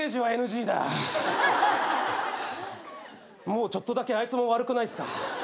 もうちょっとだけあいつも悪くないっすか？